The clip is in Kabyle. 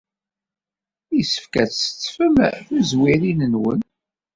Yessefk ad tsettfem tuzwirin-nwen.